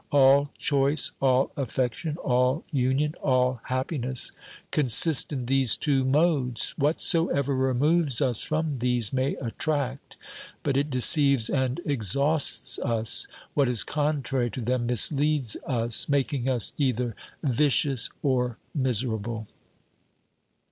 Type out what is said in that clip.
All choice, all affection, all union, all happiness consist in these two modes. Whatsoever removes us from these may attract, but it deceives and exhausts us ; what is contrary to them misleads us, making us either vicious or miserable.